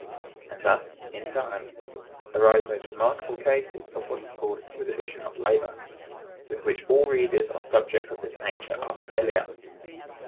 And thus, in time, arise those remarkable cases of what is called the division of labor, with which all readers on subjects of this nature are familiar.